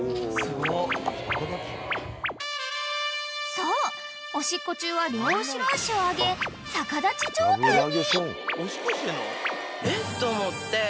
［そうおしっこ中は両後ろ脚を上げ逆立ち状態に］